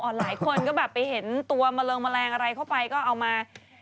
หลายคนก็แบบไปเห็นตัวมะเริงแมลงอะไรเข้าไปก็เอามา